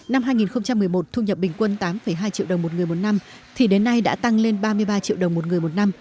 năm hai nghìn một mươi một thu nhập bình quân tám hai triệu đồng một người một năm thì đến nay đã tăng lên ba mươi ba triệu đồng một người một năm